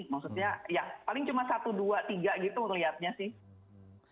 maksudnya ya paling cuma satu dua tiga gitu lihatnya sih